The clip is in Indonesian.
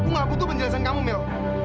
aku ngaku tuh penjelasan kamu mil